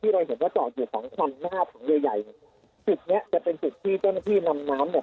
เราเห็นว่าจอดอยู่สองคันหน้าผงใหญ่ใหญ่จุดเนี้ยจะเป็นจุดที่เจ้าหน้าที่นำน้ำเนี่ย